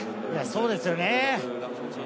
そうですよね。